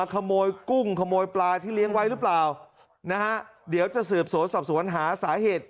ด้วยมรึเปล่าเดี๋ยวเราจะเสริมโสดสอบสนวัญหาสาเหตุ